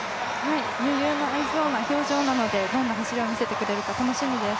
余裕のありそうな表情なので、どんな走りを見せてくれるのか楽しみです。